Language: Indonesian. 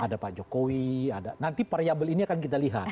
ada pak jokowi nanti pariabel ini akan kita lihat